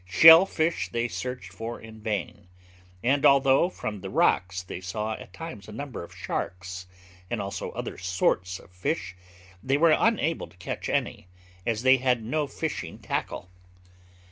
Shell fish they searched for in vain; and although from the rocks they saw at times a number of sharks, and also other sorts of fish, they were unable to catch any, as they had no fishing tackle.